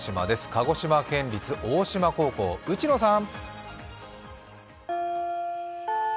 鹿児島県立大島高校、内野さん。